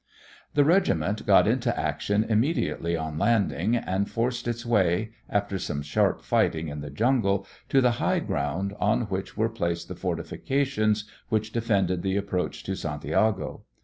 The regiment got into action immediately on landing and forced its way, after some sharp fighting in the jungle, to the high ground on which were placed the fortifications which defended the approach to Santiago.